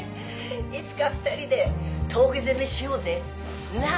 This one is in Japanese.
いつか２人で峠攻めしようぜなっ？